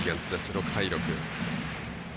６対６。